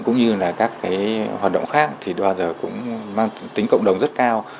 cũng như là các cái hoạt động khác thì bao giờ cũng mang tính cộng đồng rất cao